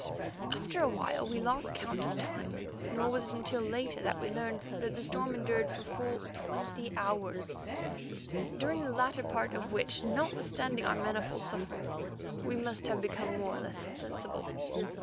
After a while we lost count of time, nor was it until later that we learned that the storm endured for full twenty hours, during the latter part of which, notwithstanding our manifold sufferings, we must have become more or less insensible.